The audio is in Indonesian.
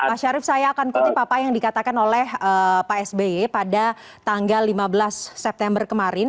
pak syarif saya akan kutip apa yang dikatakan oleh pak sby pada tanggal lima belas september kemarin